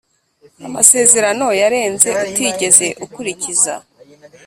amasezerano yarenze utigeze ukurikiza.